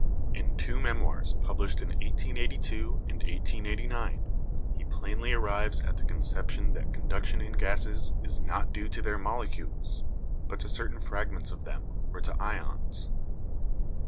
In two memoirs published in 1882 and 1889, he plainly arrives at the conception that conduction in gases is not due to their molecules, but to certain fragments of them or to ions.